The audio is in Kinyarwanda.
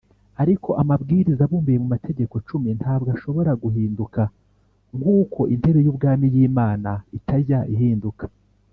ariko amabwiriza abumbiye mu mategeko cumi ntabwo ashobora guhinduka nk’uko intebe y’ubwami y’imana itajya ihinduka